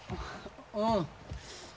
うん。